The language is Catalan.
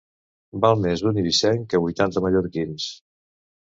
Val més un eivissenc que vuitanta mallorquins.